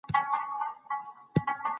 بد الفاظ مه کاروئ.